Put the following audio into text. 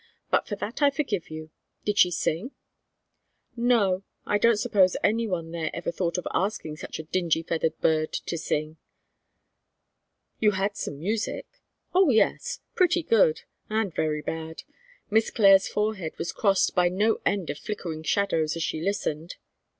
"But for that I forgive you. Did she sing?" "No. I don't suppose any one there ever thought of asking such a dingy feathered bird to sing." "You had some music?" "Oh, yes! Pretty good, and very bad. Miss Clare's forehead was crossed by no end of flickering shadows as she listened."